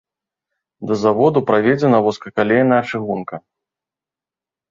Да заводу праведзена вузкакалейная чыгунка.